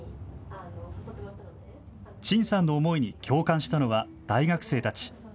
陳さんの思いに共感したのは大学生たち。